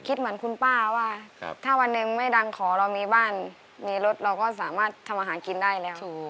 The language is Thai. คิดเหมือนคุณป้าว่าถ้าวันหนึ่งไม่ดังขอเรามีบ้านมีรถเราก็สามารถทำอาหารกินได้แล้ว